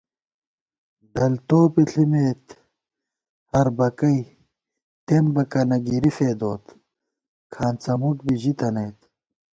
ڈل توپےݪِمېت ہربَکَئ تېمبَکَنہ گِرِی فېدوت کھانڅہ مُک بی ژِتَنَئیت